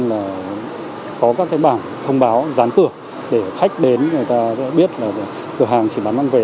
là có các cái bảng thông báo dán cửa để khách đến người ta biết là cửa hàng chỉ bán mang về